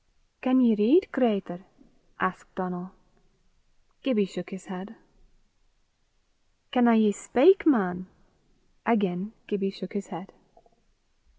"Can ye read, cratur?" asked Donal. Gibbie shook his head. "Canna ye speyk, man?" Again Gibbie shook his head.